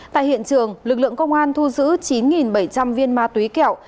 tại hiện trường lực lượng công an thu giữ chín bảy trăm linh viên ma túy kẹo